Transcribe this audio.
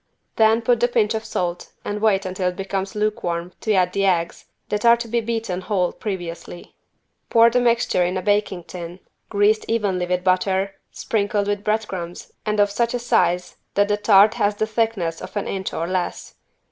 Then put the pinch of salt and wait until it becomes lukewarm to add the eggs that are to be beaten whole previously. Pour the mixture in a baking tin greased evenly with butter, sprinkled with bread crumbs and of such a size that the tart has the thickness of an inch or less.